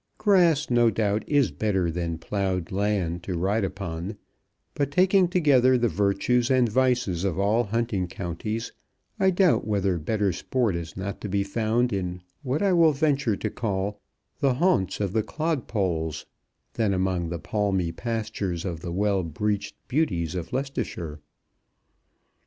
Grass, no doubt, is better than ploughed land to ride upon; but, taking together the virtues and vices of all hunting counties, I doubt whether better sport is not to be found in what I will venture to call the haunts of the clodpoles, than among the palmy pastures of the well breeched beauties of Leicestershire.